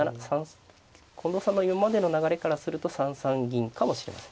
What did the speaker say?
近藤さんの今までの流れからすると３三銀かもしれません。